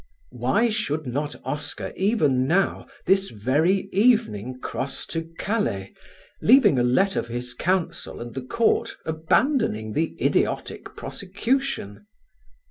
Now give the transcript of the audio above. Why should not Oscar even now, this very evening, cross to Calais, leaving a letter for his counsel and the court abandoning the idiotic prosecution.